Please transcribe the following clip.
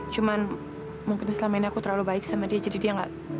cuman mungkin selama ini aku terlalu baik sama dia jadi dia nggak